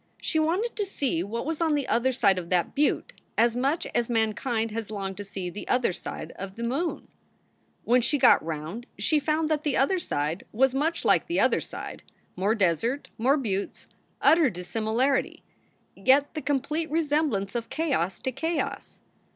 She wanted to see what was on the other side of that butte as much as mankind has longed to see the other side of the moon. When she got round she found that the other side was much like the other side more desert, more buttes, utter dissimilarity, yet the complete resemblance of chaos to chaos.